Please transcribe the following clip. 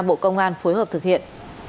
bộ công an phối hợp thực hiện